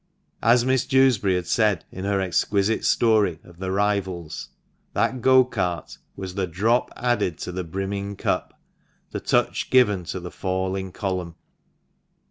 As Miss Jewsbury has said, in her exquisite story of "The Rivals," that go cart "was the drop added to the brimming cup, the touch given to the falling column."